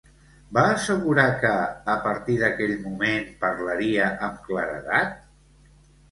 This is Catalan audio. Va assegurar que, a partir d'aquell moment, parlaria amb claredat?